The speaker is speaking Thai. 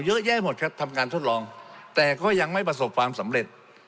เยอะแยะหมดครับทำงานทดลองแต่ก็ยังไม่ประสบความสำเร็จ